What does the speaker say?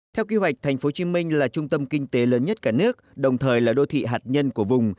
theo kế hoạch tp hcm là trung tâm kinh tế lớn nhất cả nước đồng thời là đô thị hạt nhân của vùng